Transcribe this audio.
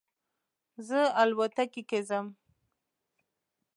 زه الوتکې کې ځم